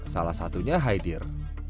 salah satunya haidir